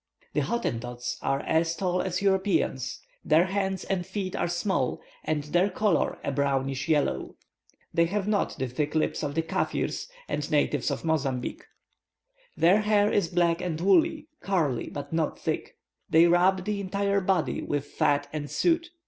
The Hottentots are as tall as Europeans, their hands and feet are small, and their colour a brownish yellow. They have not the thick lips of the Kaffirs and natives of Mozambique. Their hair is black and woolly, curly, but not thick. They rub the entire body with fat and soot.